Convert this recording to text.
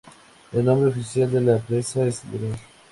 El nombre oficial de la presa es Gral.